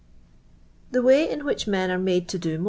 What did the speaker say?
Th way in which ir>n ar mad to do nmr.'.